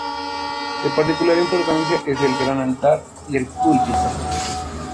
De particular importancia es el gran altar y el púlpito.